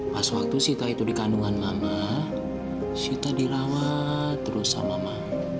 pas waktu sita itu di kandungan mama sita dirawat terus sama mama